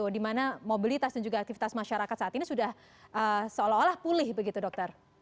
di mana mobilitas dan juga aktivitas masyarakat saat ini sudah seolah olah pulih begitu dokter